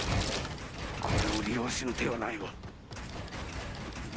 これを利用せぬ手はないわ！